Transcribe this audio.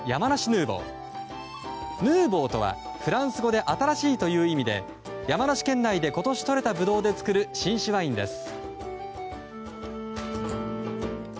ヌーボーとはフランス語で「新しい」という意味で山梨県内で今年とれたブドウで造る、新種ワインです。